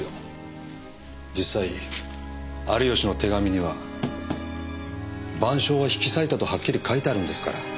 実際有吉の手紙には『晩鐘』は引き裂いたとはっきり書いてあるんですから。